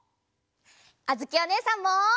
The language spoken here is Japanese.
あづきおねえさんも！